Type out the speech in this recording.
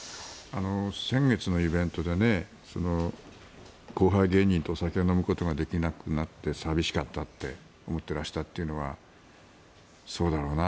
先月のイベントで後輩芸人とお酒を飲むことができなくなって寂しかったって思っていらしたというのはそうだろうな